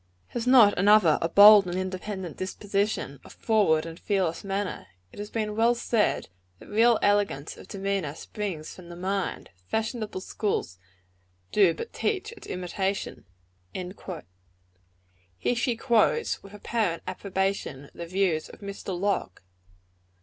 Has not another a bold and independent disposition, a forward and fearless manner? It has been well said, that real elegance of demeanor springs from the mind; fashionable schools do but teach its imitation." Here she quotes, with apparent approbation, the views of Mr. Locke.